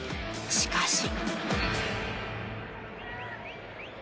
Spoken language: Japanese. しかし。